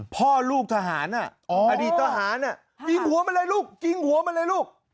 พ่อลูกทหารอดีตทหารกิงหัวมาเลยลูก